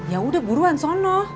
ya udah buruan sono